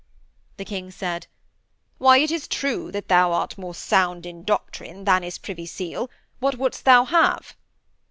The King said: 'Why, it is true that thou art more sound in doctrine than is Privy Seal. What wouldst thou have?'